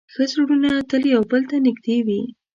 ښه زړونه تل یو بل ته نږدې وي.